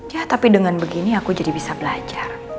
ya tapi dengan begini aku jadi bisa belajar